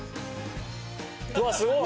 うわすごい！